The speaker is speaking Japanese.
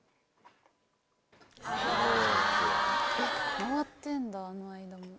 回ってんだあの間も。